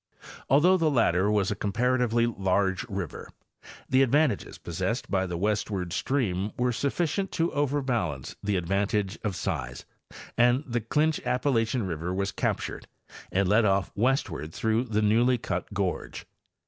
Although the latter was a comparatively large — river, the advantages possessed by the westward stream were sufficient to overbalance the advantage of size, and the Clinch Appalachian river was captured and led off westward through the newly cut gorge.